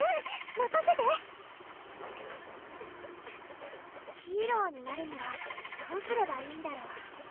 まかせて「ヒーローになるにはどうすればいいんだろう？」